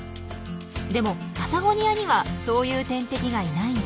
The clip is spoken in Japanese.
でもパタゴニアにはそういう天敵がいないんです。